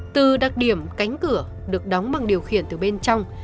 từ đặc điểm cánh cửa được đóng bằng điều khiển từ bên trong